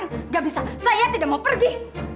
tidak bisa saya tidak mau pergi